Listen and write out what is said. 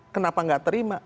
kenapa nggak terima